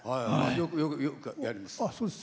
よくやります。